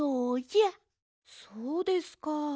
そうですか。